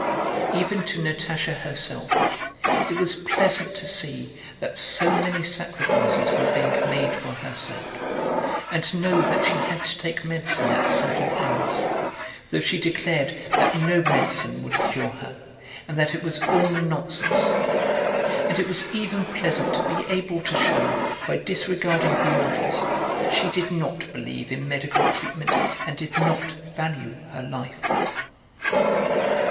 Even to Natásha herself it was pleasant to see that so many sacrifices were being made for her sake, and to know that she had to take medicine at certain hours, though she declared that no medicine would cure her and that it was all nonsense. And it was even pleasant to be able to show, by disregarding the orders, that she did not believe in medical treatment and did not value her life.